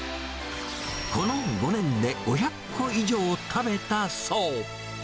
この５年で５００個以上食べたそう。